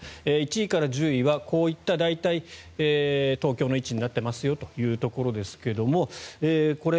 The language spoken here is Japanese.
１位から１０位は、こういった大体、東京の位置になっていますよということですがこれ、